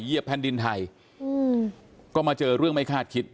แผ่นดินไทยก็มาเจอเรื่องไม่คาดคิด